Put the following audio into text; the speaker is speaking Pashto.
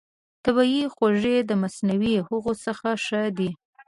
طبیعي خوږې د مصنوعي هغو څخه ښه دي.